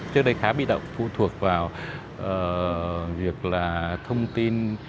trước đây khá bị động phụ thuộc vào việc là thông tin